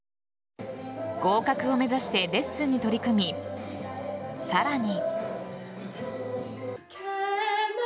合格を目指してレッスンに取り組みさらに。